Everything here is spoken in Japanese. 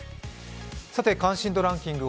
関心度ランキング